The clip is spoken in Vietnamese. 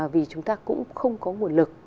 vì chúng ta cũng không có nguồn lực